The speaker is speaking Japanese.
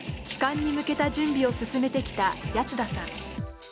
帰還に向けた準備を進めてきた谷津田さん。